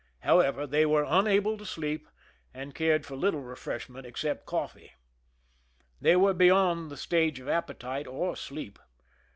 However, they were unable to sleep, and cared for little refreshment except coffee. They were beyond the stage of appetite or sleep.